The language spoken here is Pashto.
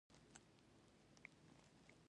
سلای فاکس ستړی شو او باران هم پیل شو